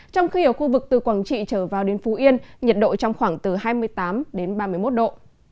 trong khi ở khu vực từ quảng trị trở vào đến phú yên nhiệt độ trong khoảng từ hai mươi tám đến ba mươi một độ